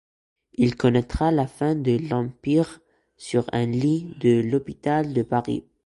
Il connaîtra la fin de l’Empire sur un lit de l’Hôpital de Paris.